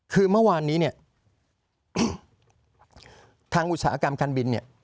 คือเมื่อวานนี้เนี่ยทางอุตสาหกรรมการบินเนี่ย